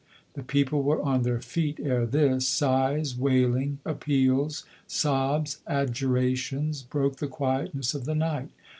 The people were on their feet ere this. Sighs, wailing, appeals, sobs, adjurations broke the quietness of the night.